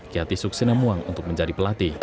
kiati suksenambuang untuk menjadi pelatih